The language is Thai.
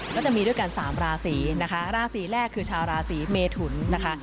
ก็จะมีด้วยกันสามราศีนะคะราศีแรกคือชาวราศีเมทุนนะคะ